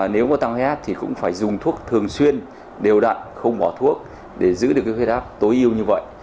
nếu có tăng huyết áp thì cũng phải dùng thuốc thường xuyên đều đặn không bỏ thuốc để giữ được huyết áp tối yêu như vậy